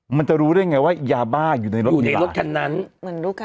มันจะรู้ได้ไงว่ายาบ้าอยู่ในรถอยู่ในรถคันนั้นเหมือนรู้กัน